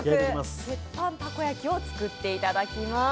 鉄板たこ焼きを作っていただきます。